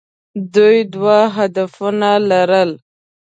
دوی دوه هدفونه لرل.